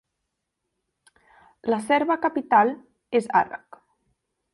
La serva capital és Arak.